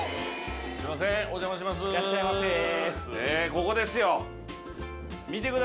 ここですよ。